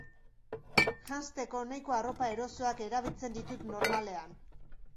Janzteko nahiko arropa erosoak erabiltzen ditut normalean.